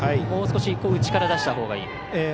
もう少し内から出したほうがいい。